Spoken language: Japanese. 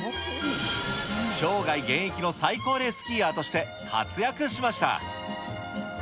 生涯現役の最高齢スキーヤーとして活躍しました。